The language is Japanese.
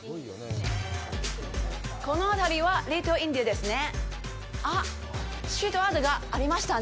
この辺りはリトルインディアですね。